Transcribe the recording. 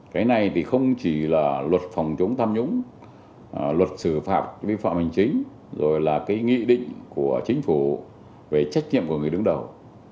cái này thì không chỉ là luật phòng chống tham nhũng luật xử phạt vi phạm hành chính rồi là cái nghị định của chính phủ về trách nhiệm của người đứng đầu